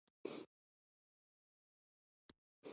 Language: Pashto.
د تیمورشاه د یرغل وېره موجوده وه.